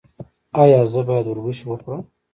ایا زه باید اوربشې وخورم؟